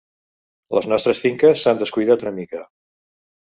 Les nostres finques s'han descuidat una mica.